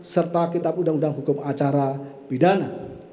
serta kitab undang undang hukum acara pidana